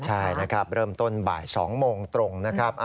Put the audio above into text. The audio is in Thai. ใช่นะครับเริ่มต้นบ่าย๒โมงตรงนะครับ